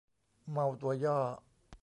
เมาตัวย่อ